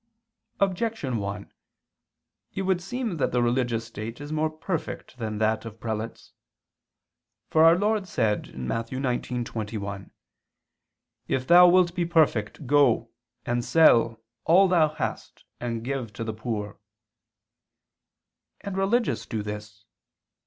Objection 1: It would seem that the religious state is more perfect than that of prelates. For our Lord said (Matt. 19:21): "If thou wilt be perfect, go" and "sell" all [Vulg.: 'what'] "thou hast, and give to the poor"; and religious do this.